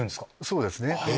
そうですね。